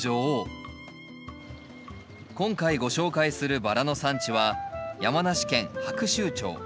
今回ご紹介するバラの産地は山梨県白州町。